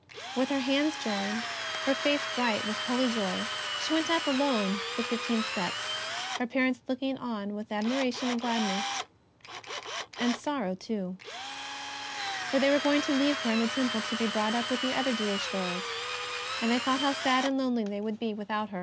With her hands joined, her face bright with holy joy, she went up alone the fifteen steps, her parents looking on with ad miration and gladness. And with sorrow, too. For they were going to leave her in the Temple to be brought up with other Jewish girls, and they thought how sad and lonely they would be without her.